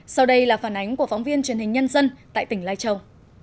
của phóng viên truyền hình nhân dân tại tỉnh lai châu